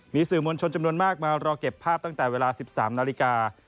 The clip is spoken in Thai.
มีสื่อมวลชนจำนวนมากมารอเก็บภาพตั้งแต่เวลา๑๓นาฬิกา